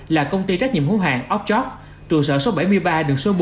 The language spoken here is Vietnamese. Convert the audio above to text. là công ty trách nhiệm hữu hàng optrof trường sở số bảy mươi ba đường số bốn